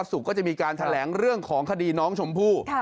ศุกร์ก็จะมีการแถลงเรื่องของคดีน้องชมพู่